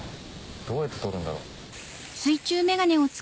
どうやって取るんだろう？